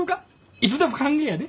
いつでも歓迎やで。